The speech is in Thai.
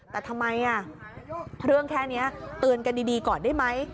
แต่ทำไมเรื่องแค่นี้เตือนกันดีก่อนได้ไหม